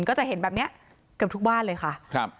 ก็จะเห็นแบบนี้เกือบทุกบ้านเลยค่ะ